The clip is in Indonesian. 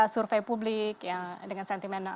survei publik dengan sentimen